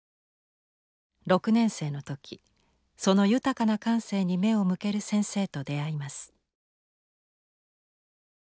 ６年生の時その豊かな感性に目を向ける先生と出会います。